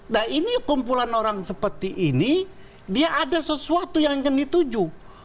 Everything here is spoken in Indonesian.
nah ini kumpulan orang seperti ini dia ada sesuatu yang akan dituju